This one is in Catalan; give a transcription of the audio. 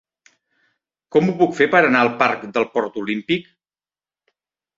Com ho puc fer per anar al parc del Port Olímpic?